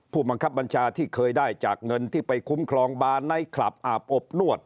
ผู้บังคับบัญชาที่เคยได้จากเงินที่ไปคุ้มครองบาร์ไนท์คลับอาบอบนวด